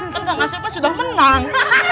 kan kak ngasep kan sudah menang